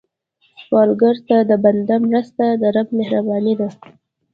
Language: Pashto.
سوالګر ته د بنده مرسته، د رب مهرباني ده